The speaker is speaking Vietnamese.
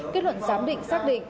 kết luận giám định xác định